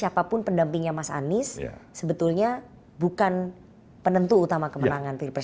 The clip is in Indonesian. siapapun pendampingnya mas anies sebetulnya bukan penentu utama kemenangan pilpres